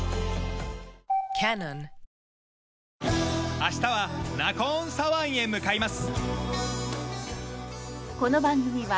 明日はナコーンサワンへ向かいます。